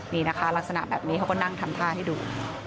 นี่นะคะลักษณะแบบนี้เขาก็นั่งทำท่าให้ดู